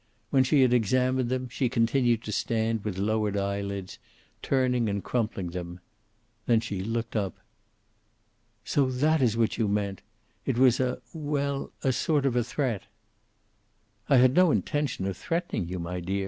When she had examined them, she continued to stand with lowered eyelids, turning and crumpling them. Then she looked up. "So that is what you meant! It was a well, a sort of a threat." "I had no intention of threatening you, my dear.